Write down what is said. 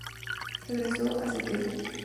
Regresó a St.